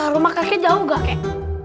rumah kakek jauh ga kakek